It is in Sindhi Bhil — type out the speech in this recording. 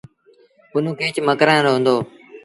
پنهون ڪيچ مڪرآݩ رو هُݩدو۔